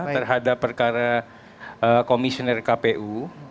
terhadap perkara komisioner kpu